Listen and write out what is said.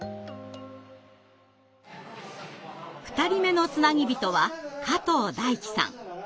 ２人目のつなぎびとは加藤大貴さん。